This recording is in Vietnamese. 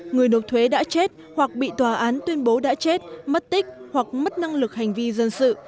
người nộp thuế đã chết hoặc bị tòa án tuyên bố đã chết mất tích hoặc mất năng lực hành vi dân sự